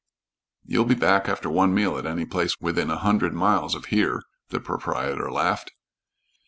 "You'll be back after one meal at any place within a hundred miles of here." The proprietor laughed.